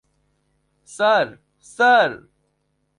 Sir, sir!